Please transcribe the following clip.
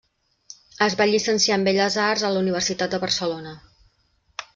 Es va llicenciar en Belles Arts a la Universitat de Barcelona.